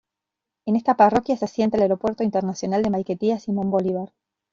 En esta parroquia se asienta el Aeropuerto Internacional de Maiquetía Simón Bolívar.